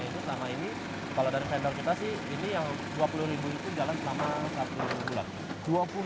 itu selama ini kalau dari vendor kita sih ini yang dua puluh ribu itu jalan selama satu bulan